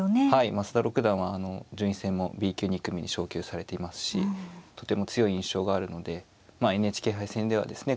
増田六段は順位戦もＢ級２組に昇級されていますしとても強い印象があるのでまあＮＨＫ杯戦ではですね